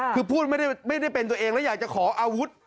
คือพูดไม่ได้เป็นตัวเองแล้วอยากจะขออาวุธ